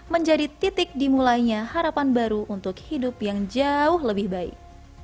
menjadi titik dimulainya harapan baru untuk hidup yang jauh lebih baik